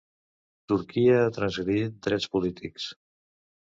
Turquia ha transgredit drets polítics